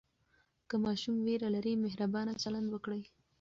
که ماشوم ویره لري، مهربانه چلند وکړئ.